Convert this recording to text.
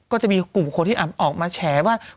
ก็จะมีกลุ่มคนที่ออกมาแฉว่า